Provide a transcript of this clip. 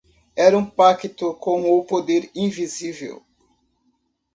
Era um pacto com o poder invisível.